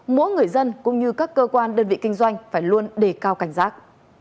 mỗi người dân cũng như các cơ quan đơn vị kinh doanh phải luôn đề cao cảnh giác